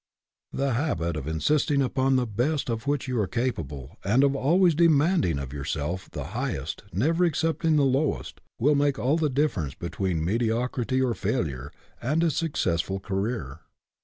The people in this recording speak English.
The habit of insisting upon the best of which you are capable, and of always demanding of yourself the highest, never ac cepting the lowest, will make all the difference between mediocrity or failure, and a success ful career.